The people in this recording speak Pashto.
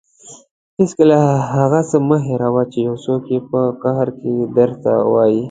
هېڅکله هغه څه مه هېروه چې یو څوک یې په قهر کې درته وايي.